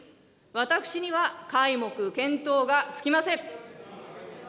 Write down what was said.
私には皆目見当がつきません。